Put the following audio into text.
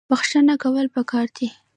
بخښنه کول پکار دي